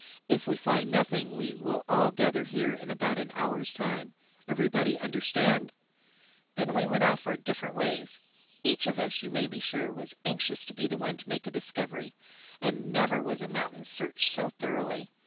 If we find nothing we will all gather here in about an hour's time—Everybody understand?" Then we all went off our different ways. Each of us, you may be sure, was anxious to be the one to make a discovery. And never was a mountain searched so thoroughly.